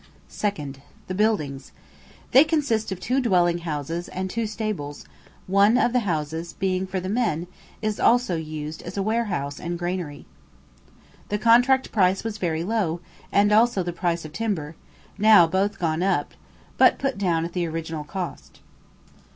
2nd. The Buildings. They consist of two dwelling houses and two stables; one of the houses, being for the men, is also used as a warehouse and granary. The contract price was very low, and also the price of timber; now both gone up, but put down at the original cost.